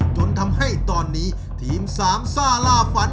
จนทำให้ตอนนี้ทีมสามซ่าล่าฝัน